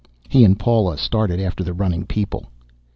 He and Paula started after the running people.